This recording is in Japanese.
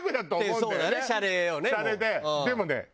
でもね。